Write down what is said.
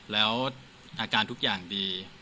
แล้วอาการทุกอย่างดี